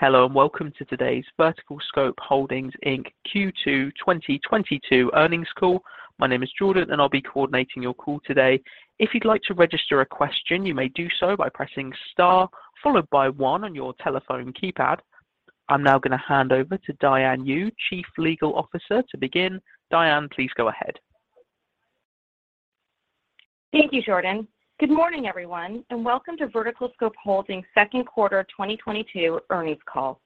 Thank you, Jordan. Good morning, everyone, and welcome to VerticalScope Holdings Q2 2022 earnings call.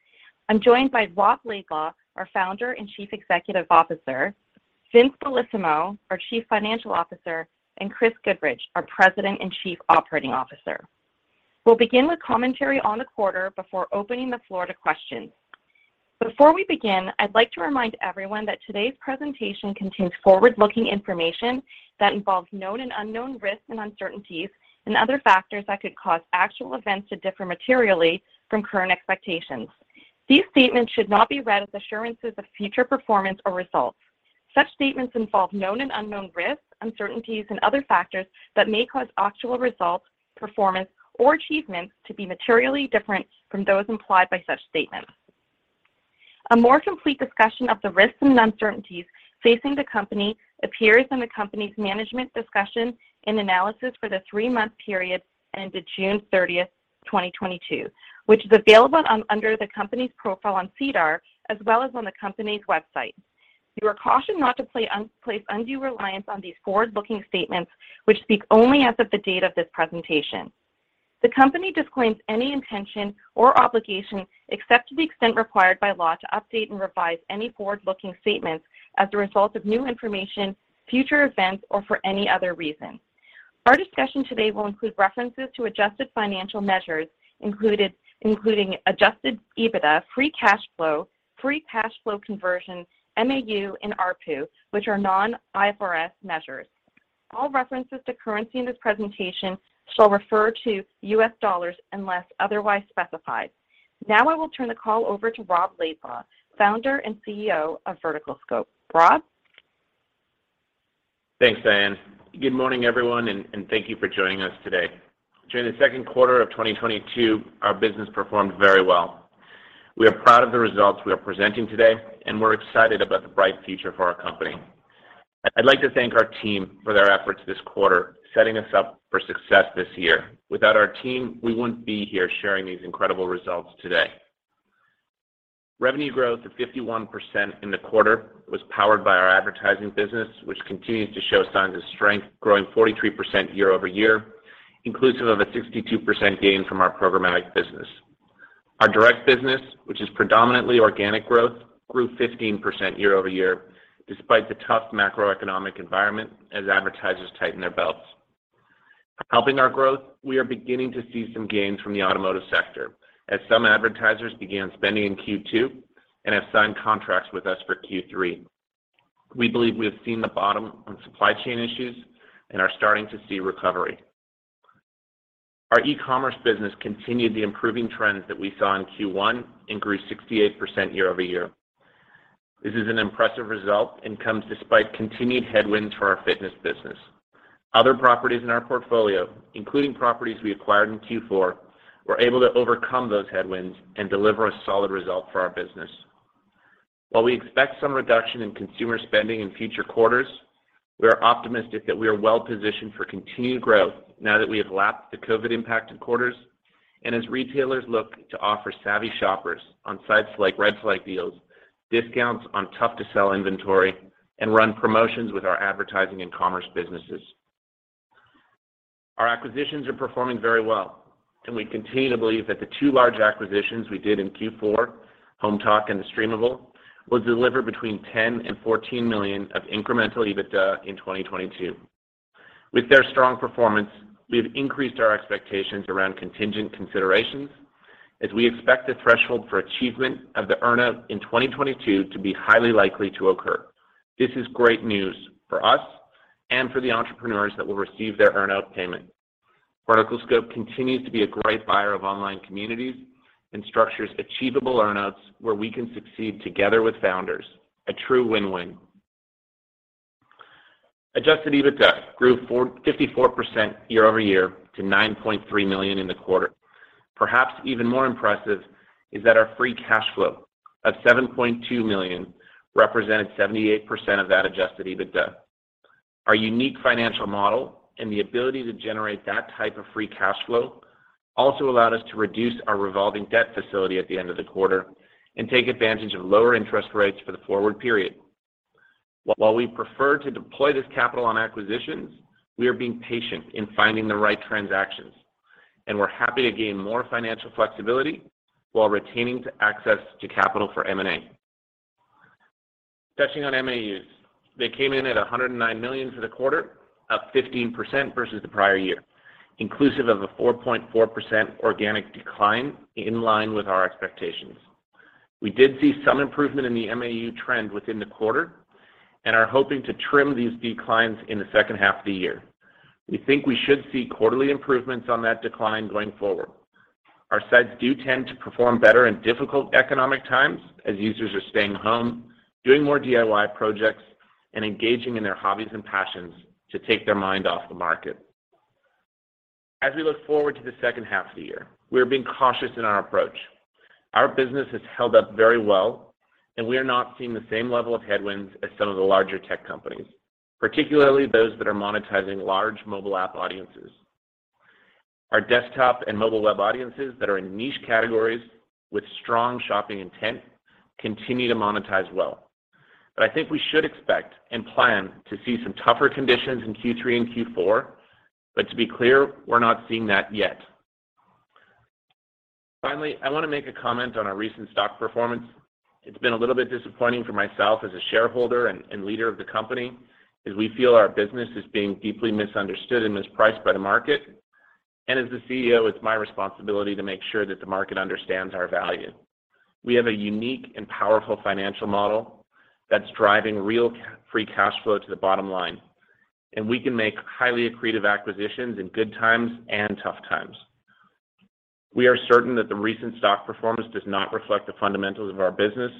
I'm joined by Rob Laidlaw, our Founder and Chief Executive Officer, Vincenzo Bellissimo, our Chief Financial Officer, and Chris Goodridge, our President and Chief Operating Officer. We'll begin with commentary on the quarter before opening the floor to questions. Before we begin, I'd like to remind everyone that today's presentation contains forward-looking information that involves known and unknown risks, uncertainties, and other factors that could cause actual events to differ materially from current expectations. These statements should not be read as assurances of future performance or results. Such statements involve risks and uncertainties that may cause actual results, performance, or achievements to differ materially from those implied. A more complete discussion of the risks and uncertainties facing the company appears in the company's Management Discussion and Analysis for the three-month period that ended June 30, 2022, which is available under the company's profile on SEDAR as well as on the company's website. You are cautioned not to place undue reliance on these forward-looking statements which speak only as of the date of this presentation. The company disclaims any intention or obligation, except to the extent required by law, to update and revise any forward-looking statements as a result of new information, future events, or for any other reason. Our discussion today will include references to adjusted financial measures, including adjusted EBITDA, free cash flow, free cash flow conversion, MAU, and ARPU, which are non-IFRS measures. All references to currency in this presentation shall refer to US dollars unless otherwise specified. Now I will turn the call over to Rob Laidlaw, Founder and CEO of VerticalScope. Rob? Thanks, Diane. Good morning, everyone, and thank you for joining us today. During the Q2 of 2022, our business performed very well. We are proud of the results we are presenting today, and we are excited about the bright future for our company. I'd like to thank our team for their efforts this quarter, setting us up for success this year. Without our team, we wouldn't be here sharing these incredible results today. Revenue growth of 51% in the quarter was powered by our advertising business, which continues to show signs of strength, growing 43% year-over-year, inclusive of a 62% gain from our programmatic business. Our direct business, which is predominantly organic growth, grew 15% year-over-year despite the tough macroeconomic environment as advertisers tighten their belts. Helping our growth, we are beginning to see some gains from the automotive sector as some advertisers began spending in Q2 and signed contracts with us for Q3. We believe we have seen the bottom on supply chain issues and are starting to see recovery. Our e-commerce business continued the improving trends that we saw in Q1 and grew 68% year-over-year. This is an impressive result despite continued headwinds in our fitness business. Other properties in our portfolio, including properties we acquired in Q4, were able to overcome those headwinds and deliver a solid result for our business. While we expect some reduction in consumer spending in future quarters, we are optimistic that we are well positioned for continued growth now that we have lapped the COVID impacted quarters and as retailers look to offer savvy shoppers on sites like RedFlagDeals, discounts on tough-to-sell inventory, and run promotions with our advertising and e-commerce businesses. Our acquisitions are performing very well, and we continue to believe that the two large acquisitions we did in Q4, Hometalk and The Streamable, will deliver between 10 million to 14 million of incremental EBITDA in 2022. With their strong performance, we have increased our expectations around contingent considerations as we expect the threshold for achievement of the earnout in 2022is highly likely to occur. This is great news for us and for the entrepreneurs that will receive their earnout payment. VerticalScope continues to be a great buyer of online communities and structures achievable earnouts where we can succeed together with founders. It is a true win-win. Adjusted EBITDA grew 54% year-over-year to $9.3 million in the quarter. Perhaps even more impressive is that our free cash flow of $7.2 million represented 78% of that adjusted EBITDA. Our unique financial model and the ability to generate that type of free cash flow also allowed us to reduce our revolving debt facility at the end of the quarter and take advantage of lower interest rates for the forward period. While we prefer to deploy this capital on acquisitions, we are being patient in finding the right transactions, and we're happy to gain more financial flexibility while retaining access to capital for M&A. Touching on MAUs, they came in at 109 million for the quarter, up 15% versus the prior year, inclusive of a 4.4% organic decline in line with our expectations. We did see some improvement in the MAU trend within the quarter and are hoping to trim these declines in the second half of the year. We think we should see quarterly improvements on that decline going forward. Our sites do tend to perform better in difficult economic times as users are staying home, doing more DIY projects, and engaging in their hobbies and passions to take their mind off the market. As we look forward to the second half of the year, we are being cautious in our approach. Our business has held up very well, and we are not seeing the same level of headwinds as some of the larger tech companies, particularly those that are monetizing large mobile app audiences. Our desktop and mobile web audiences that are in niche categories with strong shopping intent continue to monetize well. I think we should expect and plan to see some tougher conditions in Q3 and Q4. To be clear, we're not seeing that yet. Finally, I want to make a comment on our recent stock performance. It's been a little bit disappointing for myself as a shareholder and leader of the company, as we feel our business is being deeply misunderstood and mispriced by the market. As the CEO, it's my responsibility to make sure that the market understands our value. We have a unique and powerful financial model that's driving real free cash flow to the bottom line, and we can make highly accretive acquisitions in good times and tough times. We are certain that the recent stock performance does not reflect the fundamentals of our business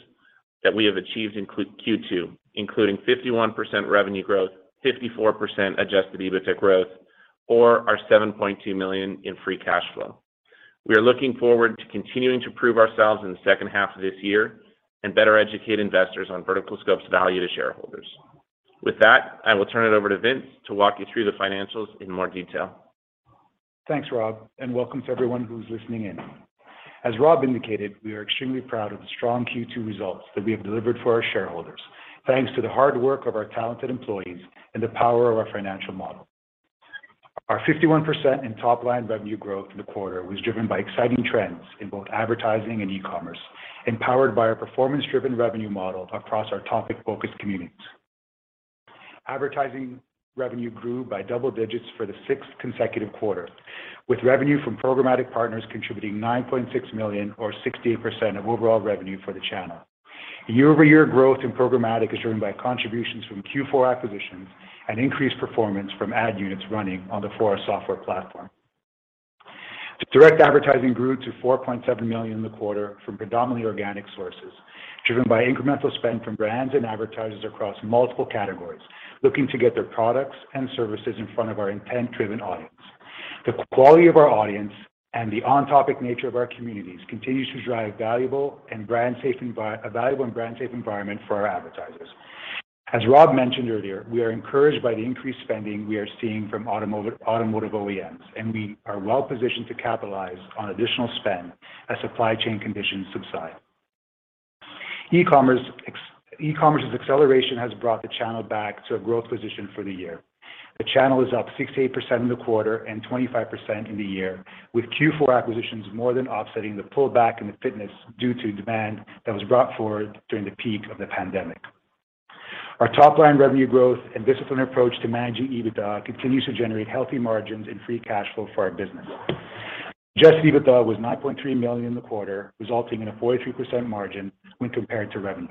that we have achieved in Q2, including 51% revenue growth, 54% adjusted EBITDA growth, or our 7.2 million in free cash flow. We are looking forward to continuing to prove ourselves in the second half of this year and better educate investors on VerticalScope's value to shareholders. With that, I will turn it over to Vince to walk you through the financials in more detail. Thanks, Rob, and welcome to everyone who's listening in. As Rob indicated, we are extremely proud of the strong Q2 results that we have delivered for our shareholders, thanks to the hard work of our talented employees and the power of our financial model. Our 51% in top line revenue growth in the quarter was driven by exciting trends in both advertising and e-commerce, empowered by our performance-driven revenue model across our topic-focused communities. Advertising revenue grew by double digits for the sixth consecutive quarter, with revenue from programmatic partners contributing 9.6 million or 68% of overall revenue for the channel. Year-over-year growth in programmatic is driven by contributions from Q4 acquisitions and increased performance from ad units running on the Fora platform. Direct advertising grew to 4.7 million in the quarter from predominantly organic sources, driven by incremental spend from brands and advertisers across multiple categories looking to get their products and services in front of our intent-driven audience. The quality of our audience and the on-topic nature of our communities continues to drive a valuable and brand safe environment for our advertisers. As Rob mentioned earlier, we are encouraged by the increased spending we are seeing from automotive OEMs, and we are well-positioned to capitalize on additional spend as supply chain conditions subside. E-commerce's acceleration has brought the channel back to a growth position for the year. The channel is up 68% in the quarter and 25% in the year, with Q4 acquisitions more than offsetting the pullback in the fitness due to demand that was brought forward during the peak of the pandemic. Our top line revenue growth and disciplined approach to managing EBITDA continues to generate healthy margins and free cash flow for our business. Adjusted EBITDA was 9.3 million in the quarter, resulting in a 43% margin when compared to revenue.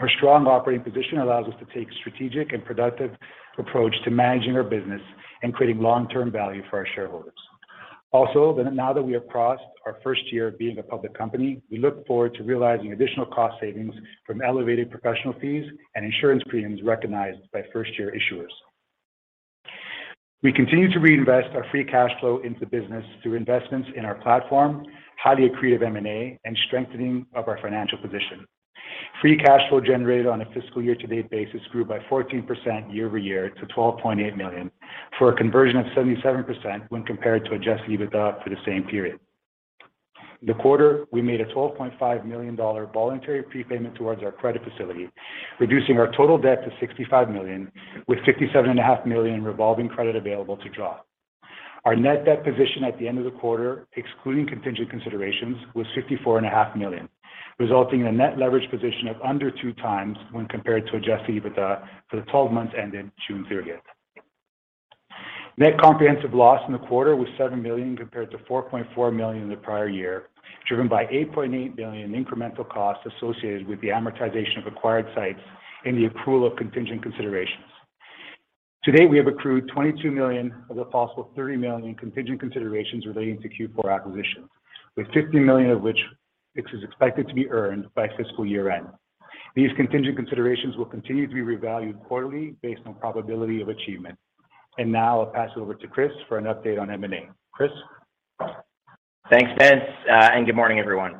Our strong operating position allows us to take a strategic and productive approach to managing our business and creating long-term value for our shareholders. Also, now that we have crossed our first year of being a public company, we look forward to realizing additional cost savings from elevated professional fees and insurance premiums recognized by first-year issuers. We continue to reinvest our free cash flow into the business through investments in our platform, highly accretive M&A, and strengthening of our financial position. Free cash flow generated on a fiscal year-to-date basis grew by 14% year-over-year to $12.8 million, for a conversion of 77% when compared to adjusted EBITDA for the same period. In the quarter, we made a $12.5 million voluntary prepayment toward our credit facility, reducing our total debt to $65 million, with $67.5 million revolving credit available to draw. Our net debt position at the end of the quarter, excluding contingent considerations, was $54.5 million, resulting in a net leverage position of under 2x when compared to adjusted EBITDA for the twelve months ended June 30. Net comprehensive loss in the quarter was $7 million compared to $4.4 million in the prior year, driven by $8.8 million incremental costs associated with the amortization of acquired sites and the accrual of contingent considerations. To date, we have accrued $22 million of the possible $30 million in contingent considerations relating to Q4 acquisitions, with $15 million of which is expected to be earned by fiscal year-end. These contingent considerations will continue to be revalued quarterly based on probability of achievement. Now I'll pass it over to Chris for an update on M&A. Chris? Thanks, Vince. Good morning, everyone.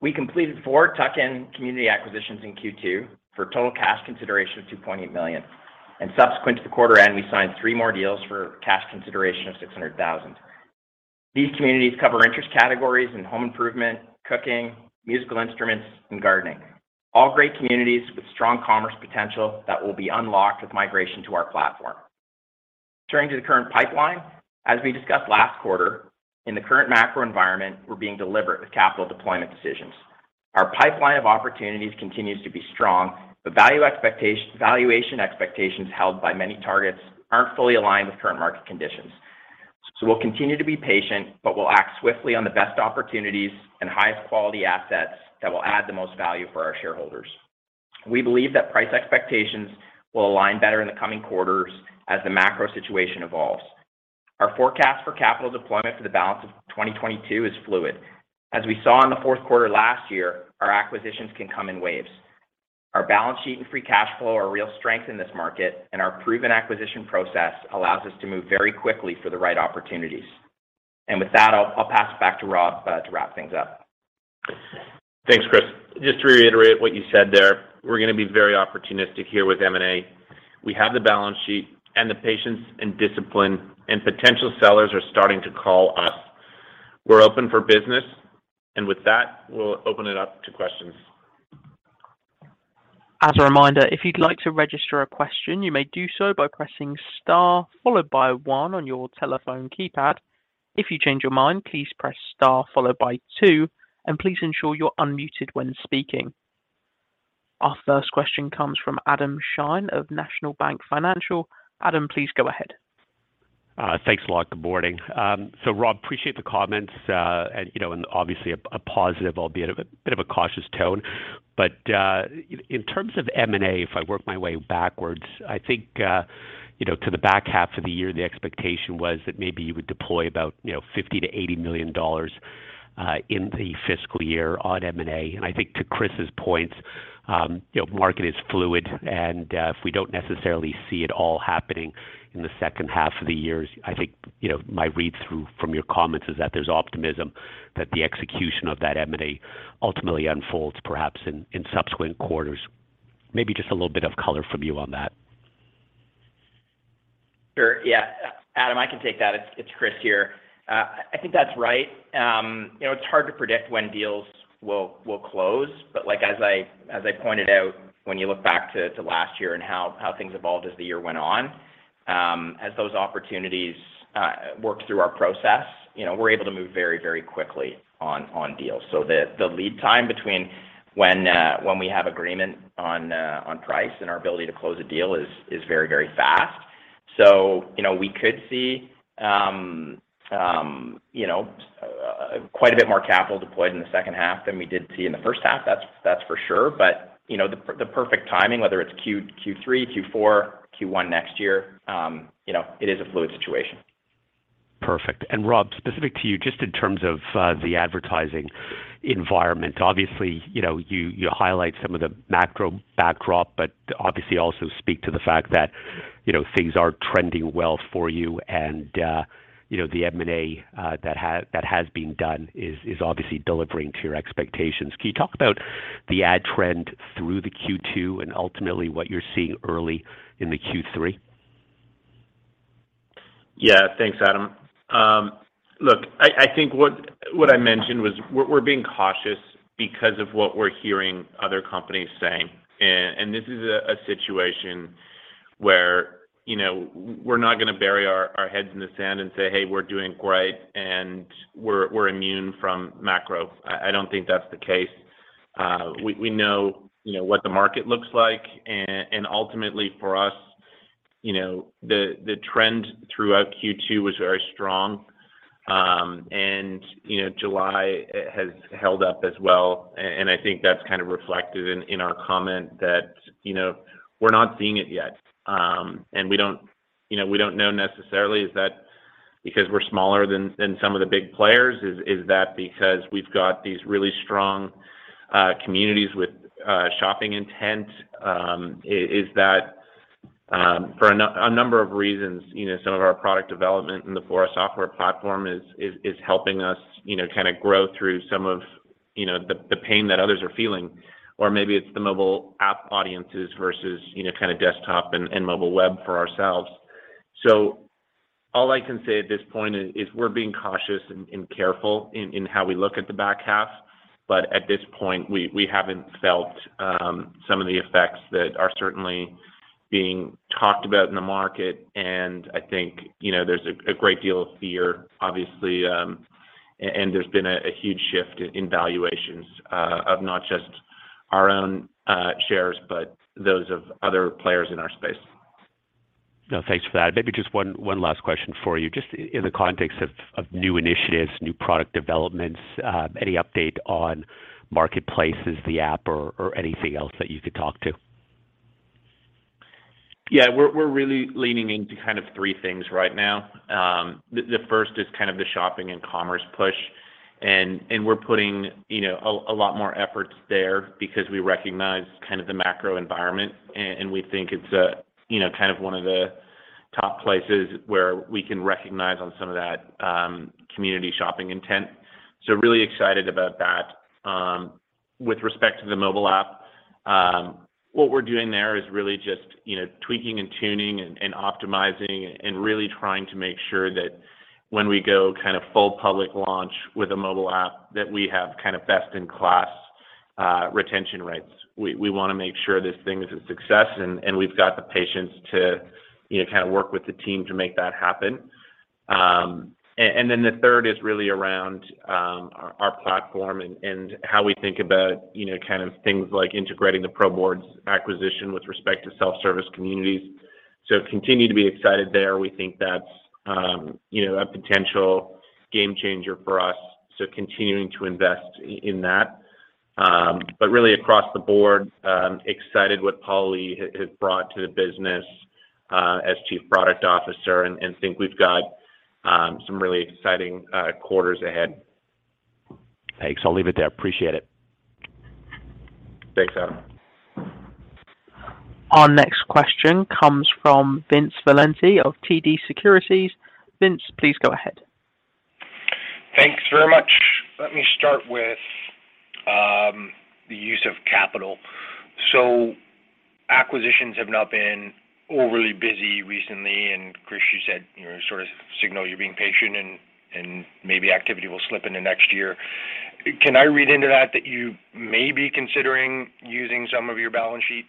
We completed four tuck-in community acquisitions in Q2 for total cash consideration of 2.8 million. Subsequent to the quarter end, we signed three more deals for cash consideration of 600,000. These communities cover interest categories in home improvement, cooking, musical instruments, and gardening. All great communities with strong e-commerce potential that will be unlocked with migration to our platform. Turning to the current pipeline, as we discussed last quarter, in the current macro environment, we're being deliberate with capital deployment decisions. Our pipeline of opportunities continues to be strong, but valuation expectations held by many targets aren't fully aligned with current market conditions. We'll continue to be patient, but we'll act swiftly on the best opportunities and highest quality assets that will add the most value for our shareholders. We believe that price expectations will align better in the coming quarters as the macro situation evolves. Our forecast for capital deployment for the balance of 2022 is fluid. As we saw in the Q4 last year, our acquisitions can come in waves. Our balance sheet and free cash flow are real strength in this market, and our proven acquisition process allows us to move very quickly for the right opportunities. With that, I'll pass it back to Rob to wrap things up. Thanks, Chris. Just to reiterate what you said there, we're going to be very opportunistic here with M&A. We have the balance sheet and the patience and discipline, and potential sellers are starting to call us. We're open for business, and with that, we'll open it up to questions. Thanks a lot. Good morning. Rob, appreciate the comments, and, obviously a positive, albeit a bit of a cautious tone. In terms of M&A, if I work my way backwards, I think, o the back half of the year, the expectation was that maybe you would deploy about, 50 million-80 million dollars in the fiscal year on M&A. I think to Chris's points, market is fluid, and, if we don't necessarily see it all happening in the second half of the years, I think, you know, my read through from your comments is that there's optimism that the execution of that M&A ultimately unfolds perhaps in subsequent quarters. Maybe just a little bit of color from you on that. Sure. Yes. Adam, I can take that. This is Chris. I think that's right. It's hard to predict when deals will close, but like as I pointed out, when you look back to last year and how things evolved as the year went on, as those opportunities work through our process, we're able to move very quickly on deals. The lead time between when we have agreement on price and our ability to close a deal is very fast. We could see quite a bit more capital deployed in the second half than we did see in the first half. That's for sure. The perfect timing, whether it's Q3, Q4, Q1 next year, it is a fluid situation. Perfect. Rob, specific to you, just in terms of the advertising environment, obviously, you highlight some of the macro backdrop, but obviously also speak to the fact that, things are trending well for you and the M&A that has been done is obviously delivering to your expectations. Can you talk about the ad trend through the Q2 and ultimately what you're seeing early in the Q3? Yes. Thanks, Adam. Look, I think what I mentioned was we're being cautious because of what we're hearing other companies saying. This is a situation where, we're not going to bury our heads in the sand and say, "Hey, we're doing great, and we're immune from macro." I don't think that's the case. We know, what the market looks like. Ultimately for us, the trend throughout Q2 was very strong. And, July has held up as well. I think that's reflected in our comment that, we're not seeing it yet. We don't know necessarily is that because we're smaller than some of the big players? Is that because we've got these really strong communities with shopping intent? Is that for a number of reasons, some of our product development in the Fora software platform is helping us, grow through some of the pain that others are feeling, or maybe it's the mobile app audiences versus, desktop and mobile web for ourselves. All I can say at this point is we're being cautious and careful in how we look at the back half. At this point, we haven't felt some of the effects that are certainly being talked about in the market. I think, there's a great deal of fear, obviously, and there's been a huge shift in valuations of not just our own shares, but those of other players in our space. No, thanks for that. Maybe just one last question for you. Just in the context of new initiatives, new product developments, any update on marketplaces, the app or anything else that you could talk to? Yes. We're really leaning into three things right now. The first is the shopping and e-commerce push, and we're putting a lot more efforts there because we recognize the macro environment, and we think it's one of the top places where we can recognize on some of that community shopping intent, so really excited about that. With respect to the mobile app, what we're doing there is really just tweaking and tuning and optimizing and really trying to make sure that when we go full public launch with a mobile app, that we have best-in-class retention rates. We want to make sure this thing is a success, and we've got the patience to, work with the team to make that happen. Then the third is really around our platform and how we think about, things like integrating the ProBoards acquisition with respect to self-service communities. Continue to be excited there. We think that's, a potential game changer for us, so continuing to invest in that. Really across the board, excited what Paul Lee has brought to the business as Chief Product Officer and think we've got some really exciting quarters ahead. Thanks. I'll leave it there. Appreciate it. Thanks, Adam. Thanks very much. Let me start with the use of capital. Acquisitions have not been overly busy recently, and Chris, you said, sort of signaling you're being patient and maybe activity will slip into next year. Can I read into that that you may be considering using some of your balance sheet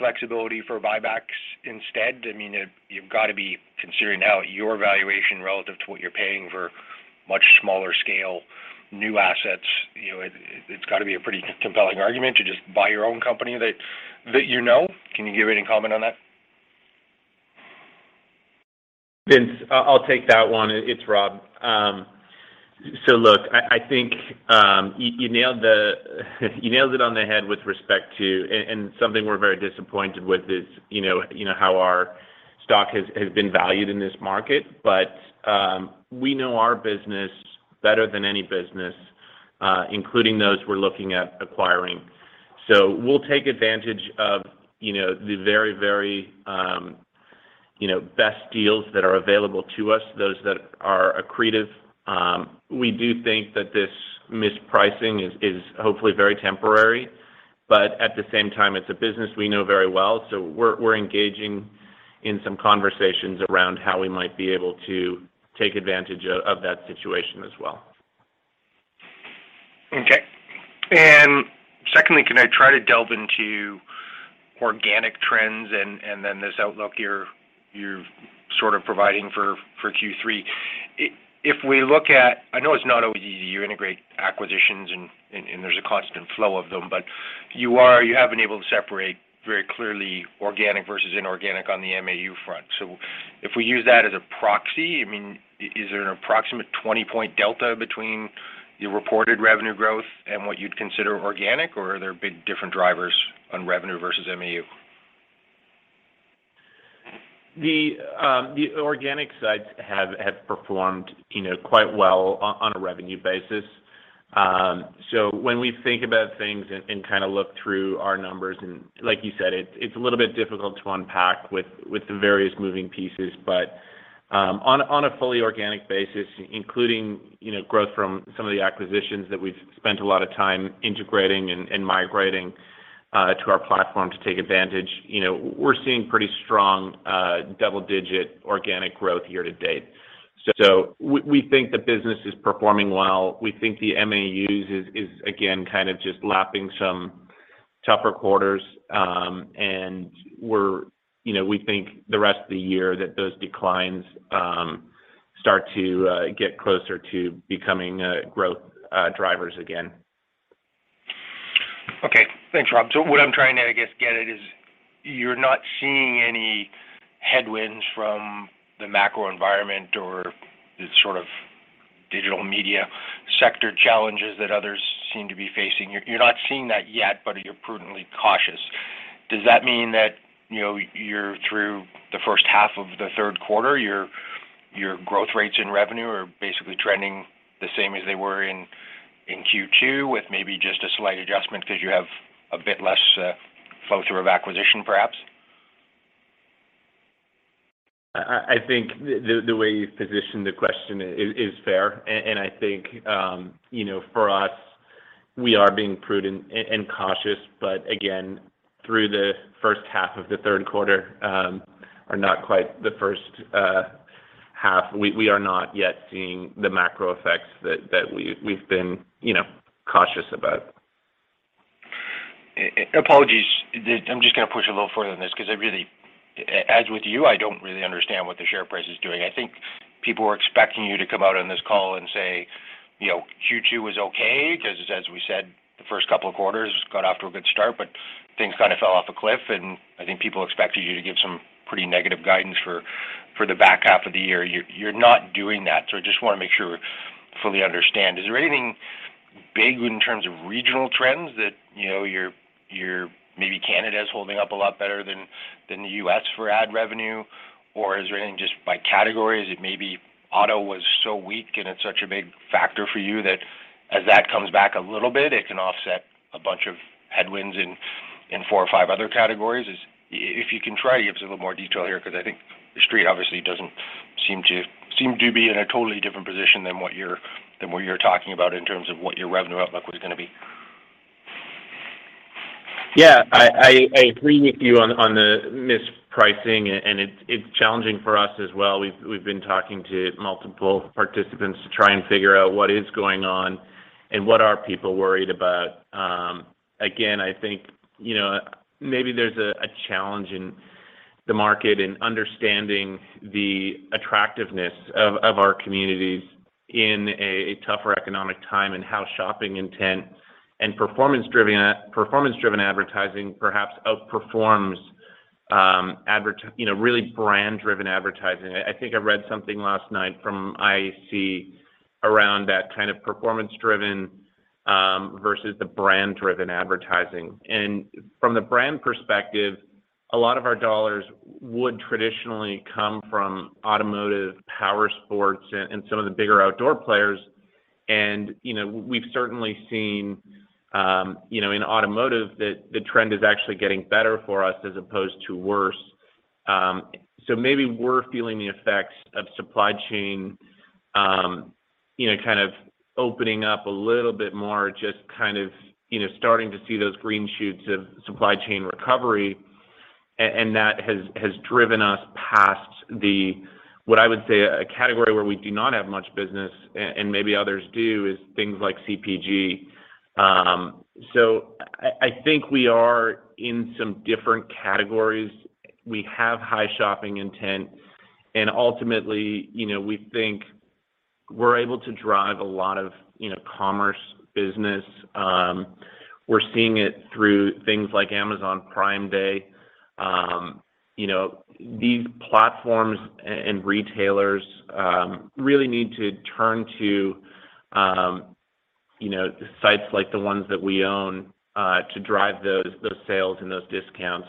flexibility for buybacks instead? I mean, you've got to be considering now your valuation relative to what you're paying for much smaller scale new assets. It's got to be a pretty compelling argument to just buy your own company that you know. Can you give any comment on that? Vince, I'll take that one. It's Rob. Look, I think you nailed it on the head with respect to, and something we're very disappointed with is, you know, how our stock has been valued in this market. We know our business better than any business, including those we're looking at acquiring. We'll take advantage of, the very best deals that are available to us, those that are accretive. We do think that this mispricing is hopefully very temporary, but at the same time, it's a business we know very well, so we're engaging in some conversations around how we might be able to take advantage of that situation as well. Okay. Secondly, can I try to delve into organic trends and then this outlook you're sort of providing for Q3. If we look at, I know it's not always easy to integrate acquisitions and there's a constant flow of them, but you have been able to separate very clearly organic versus inorganic on the MAU front. So if we use that as a proxy, I mean, is there an approximate 20-point delta between your reported revenue growth and what you'd consider organic, or are there big different drivers on revenue versus MAU? The organic sides have performed, quite well on a revenue basis. When we think about things and look through our numbers, and like you said, it's a little bit difficult to unpack with the various moving pieces. On a fully organic basis, including, growth from some of the acquisitions that we've spent a lot of time integrating and migrating to our platform to take advantage, we're seeing pretty strong double-digit organic growth year to date. We think the business is performing well. We think the MAUs is again just lapping some tougher quarters. You know, we think the rest of the year that those declines start to get closer to becoming growth drivers again. Okay. Thanks, Rob. What I'm trying to, I guess, get at is you're not seeing any headwinds from the macro environment or the sort of digital media sector challenges that others seem to be facing. You're not seeing that yet, but you're prudently cautious. Does that mean that, you know, you're through the first half of the Q3, your growth rates in revenue are basically trending the same as they were in Q2 with maybe just a slight adjustment because you have a bit less flow through of acquisition, perhaps? I think the way you've positioned the question is fair, and I think, you know, for us, we are being prudent and cautious, but again, through the first half of the Q3, or not quite the first half, we are not yet seeing the macro effects that we've been, you know, cautious about. Apologies. I'm just going to push a little further on this because I really as with you, I don't really understand what the share price is doing. I think people were expecting you to come out on this call and say, you know, Q2 was okay because as we said, the first couple of quarters got off to a good start, but things fell off a cliff, and I think people expected you to give some pretty negative guidance for the back half of the year. You're not doing that. I just want to make sure I fully understand. Is there anything big in terms of regional trends that, you know, you're maybe Canada is holding up a lot better than the U.S. for ad revenue? Is there anything just by categories that maybe auto was so weak, and it's such a big factor for you that as that comes back a little bit, it can offset a bunch of headwinds in four or five other categories? If you can try to give us a little more detail here because I think the Street obviously doesn't seem to be in a totally different position than what you're talking about in terms of what your revenue outlook was going to be. Yes. I agree with you on the mispricing, and it's challenging for us as well. We've been talking to multiple participants to try and figure out what is going on and what are people worried about. Again, I think, you know, maybe there's a challenge in the market in understanding the attractiveness of our communities in a tougher economic time and how shopping intent and performance-driven advertising perhaps outperforms, you know, really brand-driven advertising. I think I read something last night from IAC around that performance-driven versus the brand-driven advertising. From the brand perspective, a lot of our dollars would traditionally come from automotive, power sports and some of the bigger outdoor players. You know, we've certainly seen, you know, in automotive that the trend is actually getting better for us as opposed to worse. Maybe we're feeling the effects of supply chain, you know, opening up a little bit more, just, you know, starting to see those green shoots of supply chain recovery. That has driven us past the what I would say a category where we do not have much business, and maybe others do, is things like CPG. I think we are in some different categories. We have high shopping intent and ultimately, you know, we think we're able to drive a lot of, you know, e-commerce business. We're seeing it through things like Amazon Prime Day. You know, these platforms and retailers really need to turn to, you know, sites like the ones that we own to drive those sales and those discounts.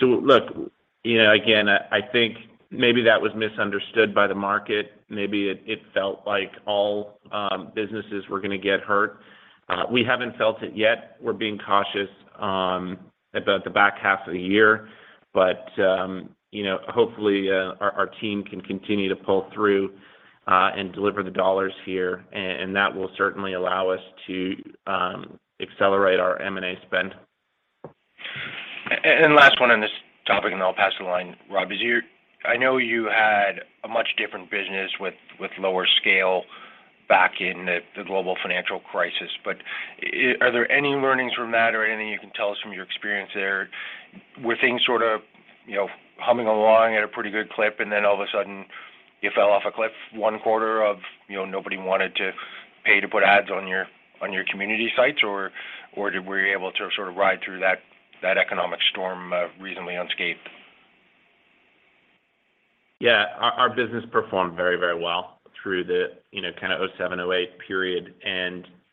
Look, you know, again, I think maybe that was misunderstood by the market. Maybe it felt like all businesses were going to get hurt. We haven't felt it yet. We're being cautious about the back half of the year. You know, hopefully our team can continue to pull through and deliver the dollars here. That will certainly allow us to accelerate our M&A spend. Last one on this topic, and then I'll pass the line, Rob. I know you had a much different business with lower scale back in the global financial crisis, but are there any learnings from that or anything you can tell us from your experience there? Were things sort of, you know, humming along at a pretty good clip and then all of a sudden you fell off a cliff one quarter, or you know, nobody wanted to pay to put ads on your community sites or were you able to sort of ride through that economic storm reasonably unscathed? Yes. Our business performed very well through the, you know, 2007, 2008 period.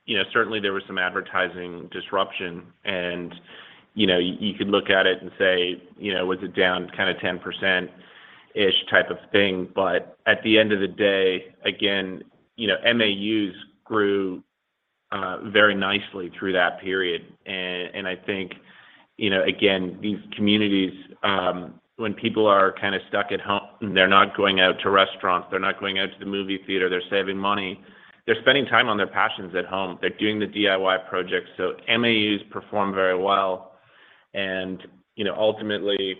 You know, certainly there was some advertising disruption and, you know, you could look at it and say, you know, was it down 10%-ish type of thing. At the end of the day, again, you know, MAUs grew very nicely through that period. I think, you know, again, these communities, when people are stuck at home and they're not going out to restaurants, they're not going out to the movie theater, they're saving money, they're spending time on their passions at home. They're doing the DIY projects. MAUs performed very well. You know, ultimately,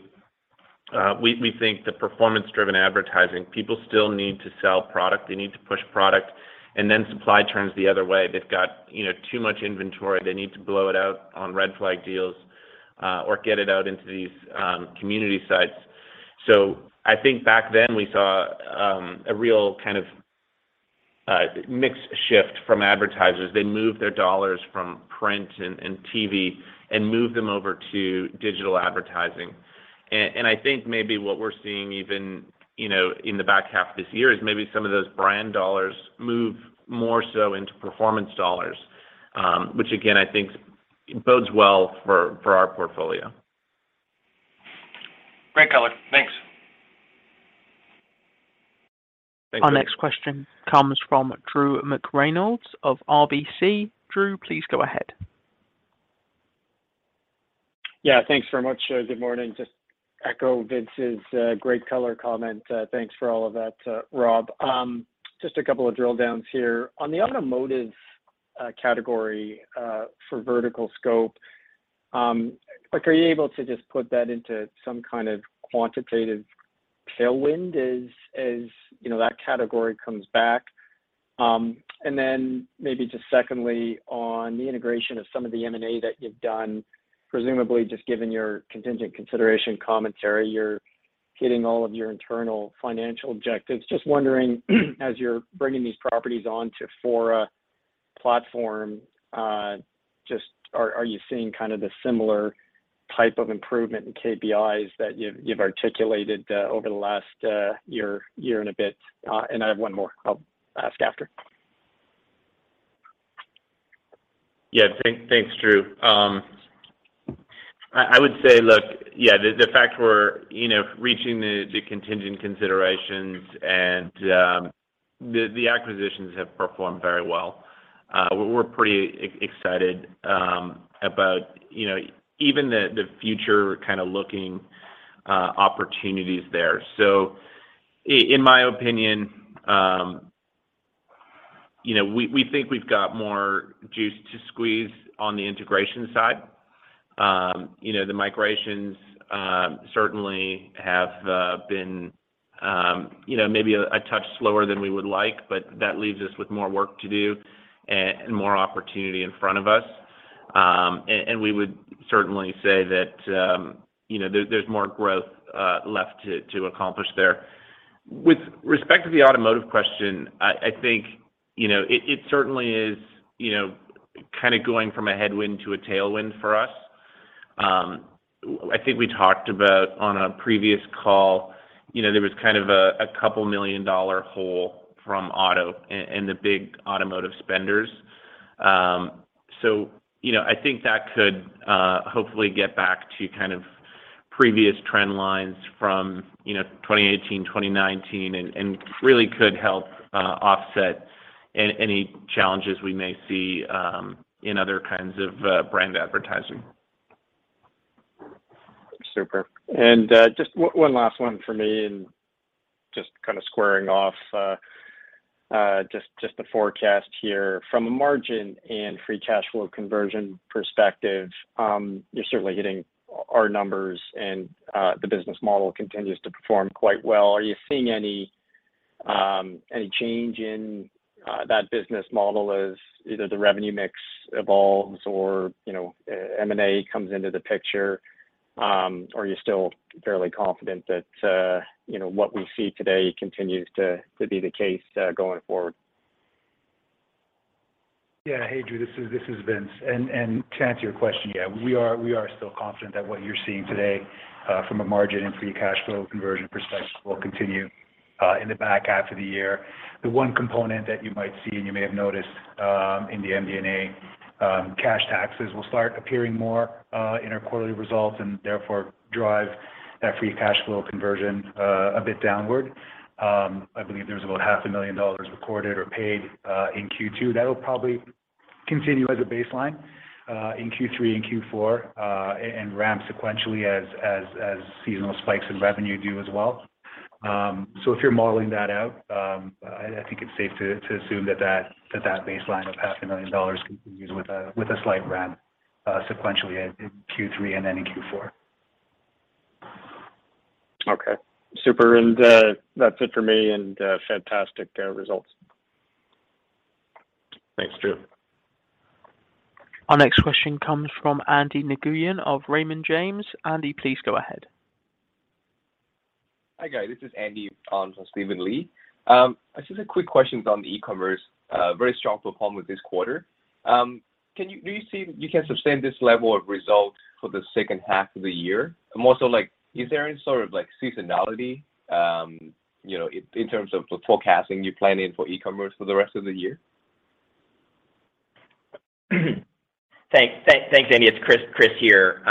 we think the performance-driven advertising, people still need to sell product, they need to push product. Then supply turns the other way. They've got, you know, too much inventory. They need to clear the inventory on RedFlagDeals, or get it out into these community sites. I think back then we saw a real mix shift from advertisers. They moved their dollars from print and TV and moved them over to digital advertising. I think maybe what we're seeing even, you know, in the back half of this year is maybe some of those brand dollars move more so into performance dollars, which again, I think bodes well for our portfolio. Great insight. Thanks. Thank you. Yes, thanks very much. Good morning. Just echo Vince's great insight comment. Thanks for all of that, Rob. Just a couple of drill downs here. On the automotive category, for VerticalScope, like, are you able to just put that into some quantitative tailwind as you know, that category comes back? Then maybe just secondly, on the integration of some of the M&A that you've done, presumably just given your contingent consideration commentary, you're hitting all of your internal financial objectives. Just wondering, as you're bringing these properties onto Fora platform, just are you seeing the similar type of improvement in KPIs that you've articulated over the last year and a bit? I have one more I'll ask after. Yes. Thanks, Drew. I would say, look, Yes, the fact we're, you know, reaching the contingent considerations and the acquisitions have performed very well. We're pretty excited about, you know, even the future looking opportunities there. In my opinion, you know, we think we've got more juice to squeeze on the integration side. You know, the migrations certainly have been, you know, maybe a touch slower than we would like, but that leaves us with more work to do and more opportunity in front of us. We would certainly say that, you know, there's more growth left to accomplish there. With respect to the automotive question, I think, you know, it certainly is, you know, going from a headwind to a tailwind for us. I think we talked about on a previous call. You know, there was a 2 million dollar hole from auto and the big automotive spenders. You know, I think that could hopefully get back to previous trend lines from, you know, 2018, 2019 and really could help offset any challenges we may see in other kinds of brand advertising. Super. Just one last one for me, and just squaring off just the forecast here. From a margin and free cash flow conversion perspective, you're certainly hitting our numbers and the business model continues to perform quite well. Are you seeing any change in that business model as either the revenue mix evolves or, you know, M&A comes into the picture, or are you still fairly confident that, you know, what we see today continues to be the case going forward? Yes. Hey, Drew, this is Vince Bellissimo. To answer your question, Yes, we are still confident that what you're seeing today from a margin and free cash flow conversion perspective will continue in the back half of the year. The one component that you might see, and you may have noticed, in the MD&A, cash taxes will start appearing more in our quarterly results and therefore drive that free cash flow conversion a bit downward. I believe there's about CAD half a million dollars recorded or paid in Q2. That'll probably continue as a baseline in Q3 and Q4, and ramp sequentially as seasonal spikes in revenue do as well. If you're modeling that out, I think it's safe to assume that baseline of half a million dollars continues with a slight ramp sequentially in Q3 and then in Q4. Okay. Super. That's it for me, and fantastic results. Thanks, Drew. Hi, everyone. This is Andy on for Stephen Li. Just a quick question on the e-commerce, very strong performance this quarter. Do you see you can sustain this level of results for the second half of the year? Also, like, is there any sort of, like, seasonality, you know, in terms of the forecasting you plan in for e-commerce for the rest of the year? Thanks, Andy. It's Chris here.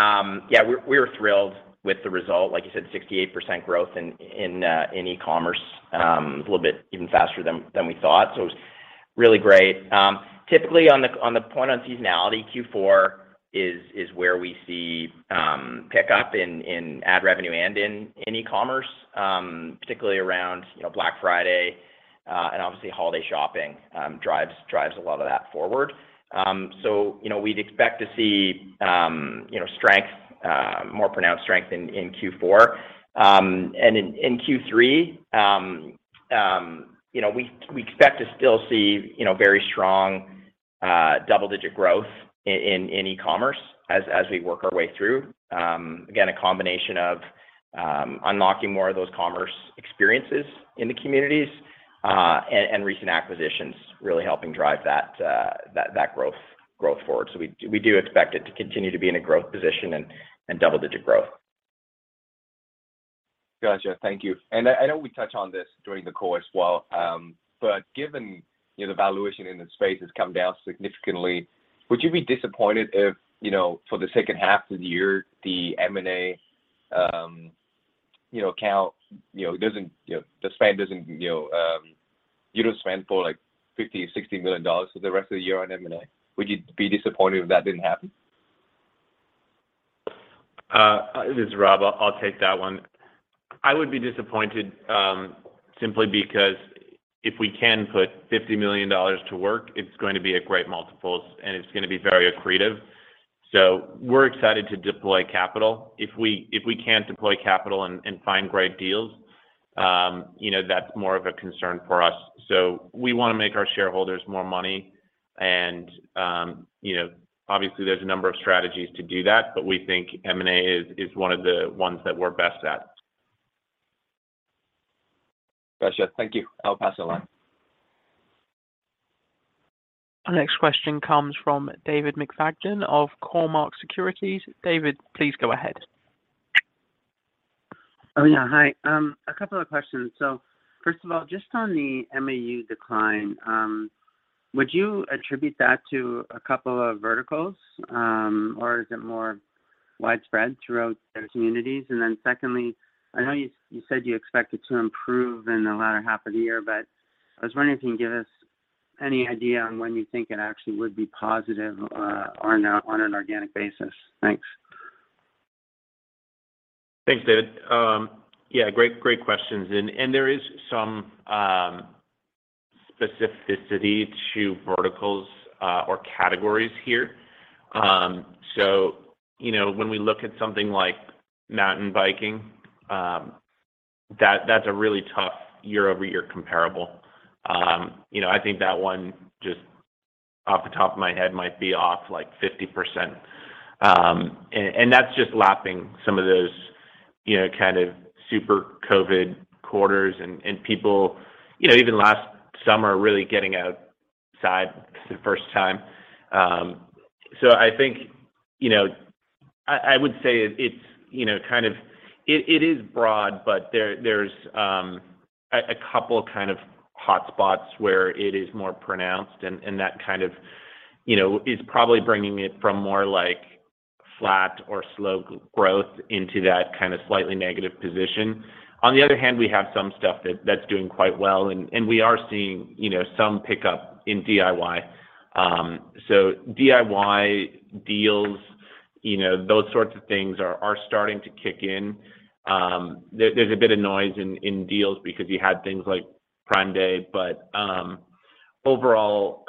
Yes, we are thrilled with the result. Like you said, 68% growth in e-commerce, a little bit even faster than we thought. It's really great. Typically on the point of seasonality, Q4 is where we see pickup in ad revenue and in e-commerce, particularly around, you know, Black Friday and obviously holiday shopping drives a lot of that forward. You know, we'd expect to see, you know, strength, more pronounced strength in Q4. In Q3, you know, we expect to still see, you know, very strong double-digit growth in e-commerce as we work our way through. Again, a combination of unlocking more of those e-commerce experiences in the communities, and recent acquisitions really helping drive that growth forward. We expect it to continue to be in a growth position and double-digit growth. Gotcha. Thank you. I know we touched on this during the call as well, but given, you know, the valuation in this space has come down significantly, would you be disappointed if, you know, for the second half of the year, the M&A, count the spend does not you know, you don't spend for like $50-$60 million for the rest of the year on M&A? Would you be disappointed if that didn't happen? This is Rob. I'll take that one. I would be disappointed simply because if we can put 50 million dollars to work, it's going to be at great multiples, and it's going to be very accretive. We're excited to deploy capital. If we can't deploy capital and find great deals, you know, that's more of a concern for us. We want to make our shareholders more money and, you know, obviously there's a number of strategies to do that, but we think M&A is one of the ones that we're best at. Gotcha. Thank you. I'll pass along. Oh, Yes. Hi. A couple of questions. First of all, just on the MAU decline, would you attribute that to a couple of verticals, or is it more widespread throughout the communities? And then secondly, I know you said you expect it to improve in the latter half of the year, but I was wondering if you can give us any idea on when you think it actually would be positive on an organic basis. Thanks. Thanks, David. Yes, great questions. There is some specificity to verticals or categories here. So, you know, when we look at something like mountain biking, that's a really tough year-over-year comparable. You know, I think that one just off the top of my head might be off like 50%. That's just lapping some of those, you know, super COVID quarters and people, you know, even last summer really getting outside for the first time. I think, you know, I would say it's, you know, it is broad, but there's a couple hotspots where it is more pronounced and that, you know, is probably bringing it from more like flat or slow growth into that slightly negative position. On the other hand, we have some stuff that's doing quite well and we are seeing, you know, some pickup in DIY. So DIY deals, you know, those sorts of things are starting to kick in. There's a bit of noise in deals because you had things like Prime Day, but overall,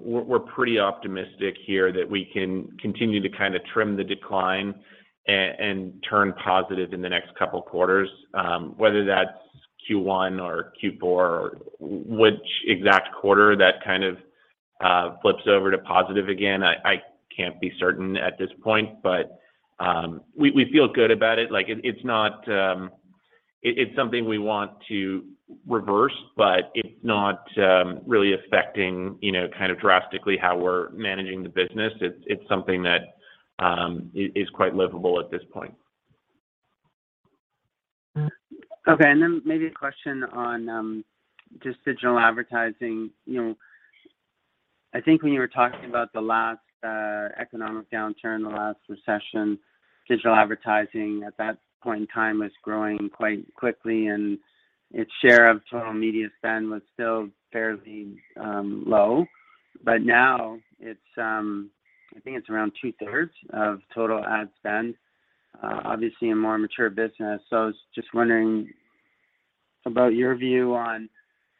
we're pretty optimistic here that we can continue to trim the decline and turn positive in the next couple quarters. Whether that's Q1 or Q4 or which exact quarter that flips over to positive again, I can't be certain at this point, but we feel good about it. Like, it's not... It's something we want to reverse, but it's not really affecting, you know, drastically how we're managing the business. It's something that is quite livable at this point. Okay. Maybe a question on just digital advertising. You know, I think when you were talking about the last economic downturn, the last recession, digital advertising at that point in time was growing quite quickly, and its share of total media spend was still fairly low. Now it's, I think it's around two-thirds of total ad spend, obviously a more mature business. I was just wondering about your view on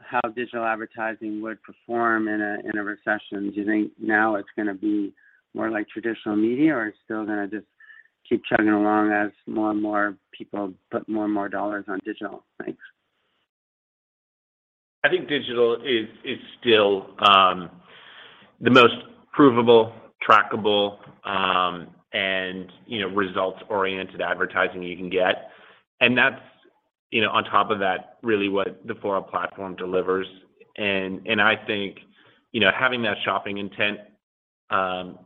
how digital advertising would perform in a recession. Do you think now it's going to be more like traditional media, or it's still going to just keep chugging along as more and more people put more and more dollars on digital? Thanks. I think digital is still the most provable, trackable, and you know, results-oriented advertising you can get. That's you know, on top of that, really what the Fora platform delivers. I think you know, having that shopping intent,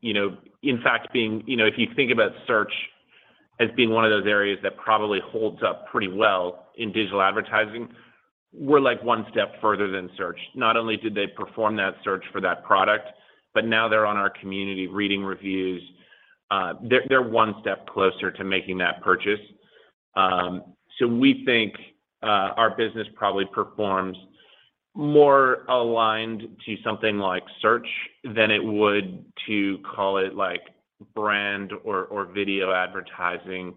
you know, in fact being you know, if you think about search as being one of those areas that probably holds up pretty well in digital advertising, we're like one step further than search. Not only did they perform that search for that product, but now they're on our community reading reviews. They're one step closer to making that purchase. We think our business probably performs more aligned to something like search than it would to call it, like, brand or video advertising.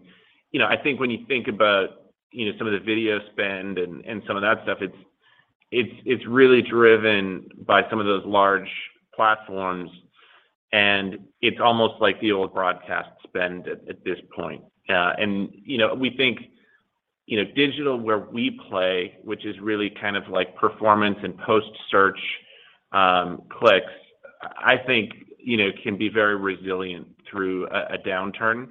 You know, I think when you think about, you know, some of the video spend and some of that stuff, it's really driven by some of those large platforms, and it's almost like the old broadcast spend at this point. You know, we think, you know, digital where we play, which is really like performance and post-search, clicks, I think, you know, can be very resilient through a downturn.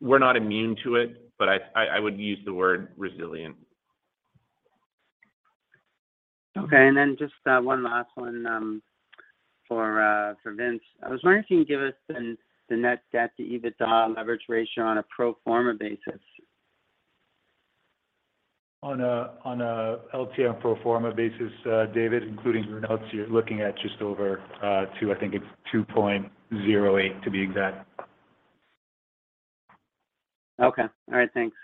We're not immune to it, but I would use the word resilient. Okay. Just one last one for Vince. I was wondering if you can give us the net debt to EBITDA leverage ratio on a pro forma basis. On a LTM pro forma basis, David, including earn-out, you're looking at just over two. I think it's 2.08 to be exact. Okay. All right. Thanks.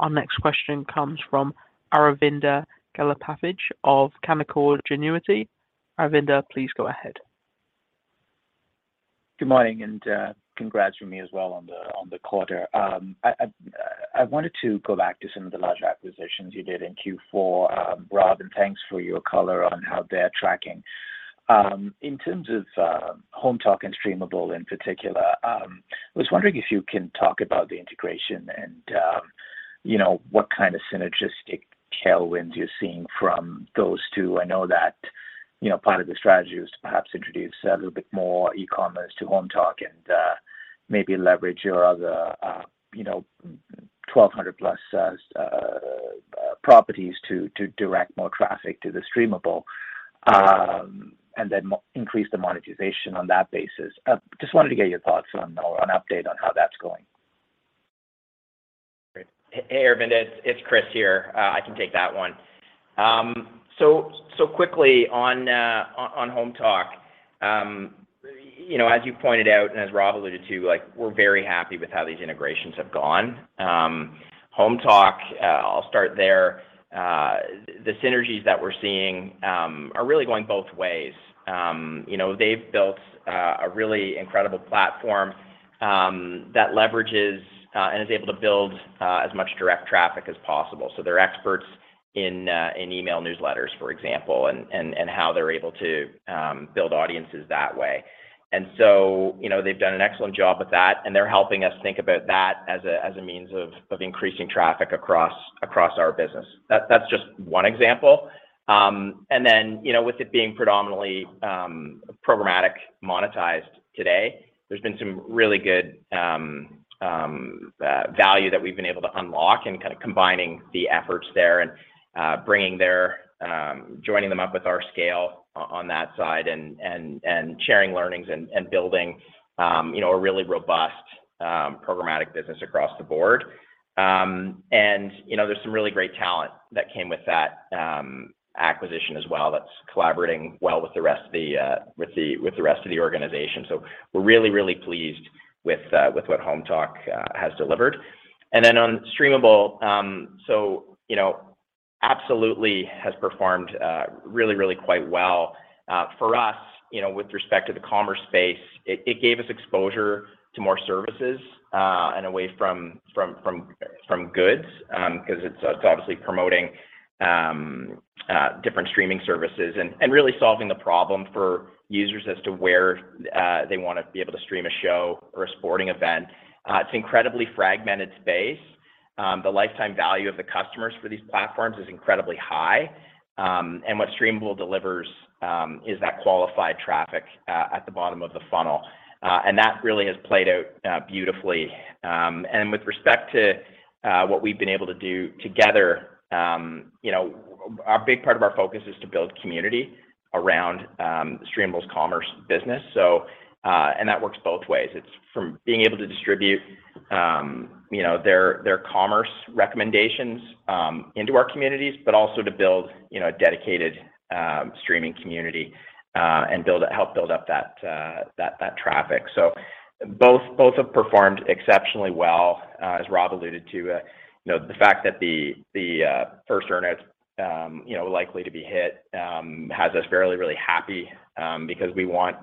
Good morning, congrats from me as well on the quarter. I wanted to go back to some of the larger acquisitions you did in Q4. Rob, thanks for your color on how they're tracking. In terms of Hometalk and Streamable in particular, I was wondering if you can talk about the integration and you know what synergistic tailwinds you're seeing from those two. I know that you know part of the strategy was to perhaps introduce a little bit more e-commerce to Hometalk and maybe leverage your other you know 1,200+ properties to direct more traffic to the Streamable and then increase the monetization on that basis. Just wanted to get your thoughts on or an update on how that's going. Great. Hey, Aravinda, it's Chris here. I can take that one. So quickly on Hometalk, you know, as you pointed out and as Rob alluded to, like, we're very happy with how these integrations have gone. Hometalk, I'll start there. The synergies that we're seeing are really going both ways. You know, they've built a really incredible platform that leverages and is able to build as much direct traffic as possible. So they're experts in email newsletters, for example, and how they're able to build audiences that way. You know, they've done an excellent job with that, and they're helping us think about that as a means of increasing traffic across our business. That's just one example. You know, with it being predominantly programmatic monetized today, there's been some really good value that we've been able to unlock in combining the efforts there and joining them up with our scale on that side and sharing learnings and building you know a really robust programmatic business across the board. You know, there's some really great talent that came with that acquisition as well, that's collaborating well with the rest of the organization. We're really pleased with what Hometalk has delivered. On Streamable, you know, absolutely has performed really quite well. For us, you know, with respect to the e-commerce space, it gave us exposure to more services and away from goods, 'cause it's obviously promoting different streaming services and really solving the problem for users as to where they want to be able to stream a show or a sporting event. It's incredibly fragmented space. The lifetime value of the customers for these platforms is incredibly high. What Streamable delivers is that qualified traffic at the bottom of the funnel. That really has played out beautifully. With respect to what we've been able to do together, you know, our big part of our focus is to build community around Streamable's e-commerce business. That works both ways. It's from being able to distribute, you know, their e-commerce recommendations, into our communities, but also to build, you know, a dedicated, streaming community, and help build up that traffic. Both have performed exceptionally well, as Rob alluded to. You know, the fact that the first earn-out, you know, likely to be hit, has us really happy, because we want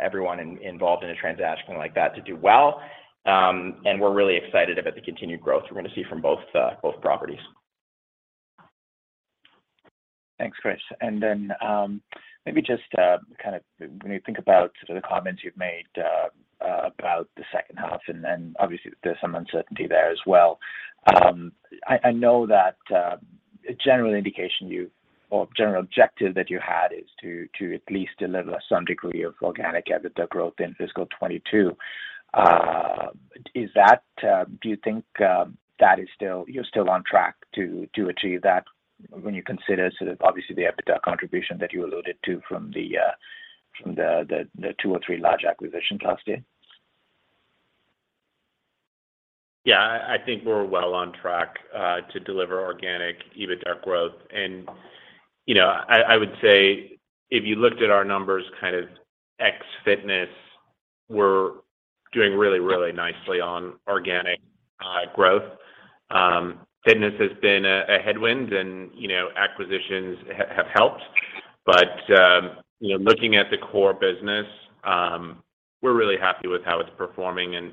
everyone involved in a transaction like that to do well. We're really excited about the continued growth we're going to see from both properties. Thanks, Chris. Maybe just when you think about sort of the comments you've made about the second half, and obviously there's some uncertainty there as well. I know that your general indication or general objective that you had is to at least deliver some degree of organic EBITDA growth in fiscal 2022. Do you think that you're still on track to achieve that when you consider sort of obviously the EBITDA contribution that you alluded to from the two or three large acquisitions last year? Yes. I think we're well on track to deliver organic EBITDA growth. You know, I would say if you looked at our numbers ex fitness, we're doing really nicely on organic growth. Fitness has been a headwind and, you know, acquisitions have helped. You know, looking at the core business, we're really happy with how it's performing and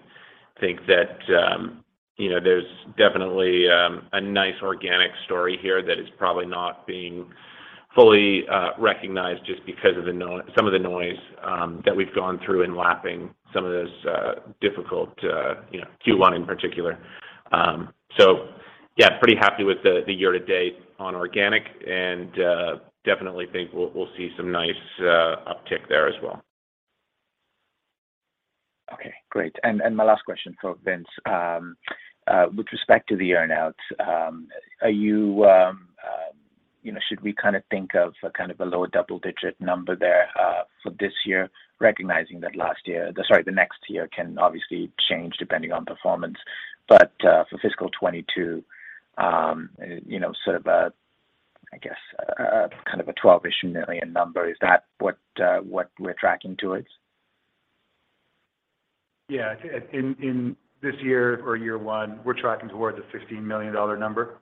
think that, you know, there's definitely a nice organic story here that is probably not being fully recognized just because of some of the noise that we've gone through in lapping some of those difficult you know Q1 in particular. Yes, pretty happy with the year to date on organic and definitely think we'll see some nice uptick there as well. Okay, great. My last question for Vince. With respect to the earn-out, are you know, should we think of a a low double digit number there, for this year, recognizing that the next year can obviously change depending on performance. For fiscal 2022, you know, sort of a, I guess, a 12-ish million number, is that what we're tracking towards? Yes. In this year or year one, we're tracking towards a $15 million number.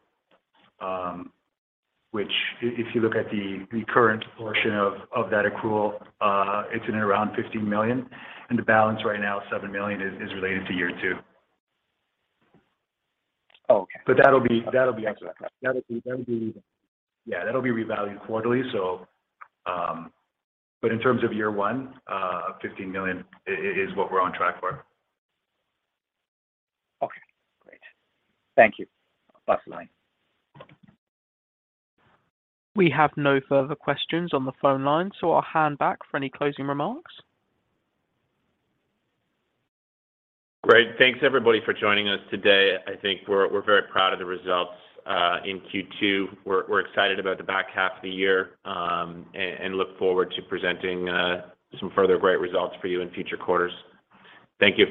Which if you look at the current portion of that accrual, it's in around $15 million, and the balance right now, $7 million is related to year two. Oh, okay. That'll be. Gotcha. Yes, that'll be revalued quarterly. In terms of year one, $15 million is what we're on track for. Okay, great. Thank you. Bye for now. Great. Thanks everybody for joining us today. I think we're very proud of the results in Q2. We're excited about the back half of the year and look forward to presenting some further great results for you in future quarters. Thank you.